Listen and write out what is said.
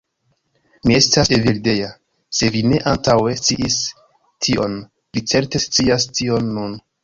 Mi estas Evildea. Se vi ne antaŭe sciis tion, vi certe scias tion nun.